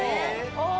ああ！